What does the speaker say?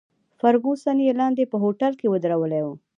فرګوسن یې لاندې په هوټل کې ودرولې وه.